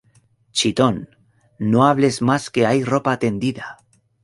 ¡Chitón! No hables más que hay ropa tendida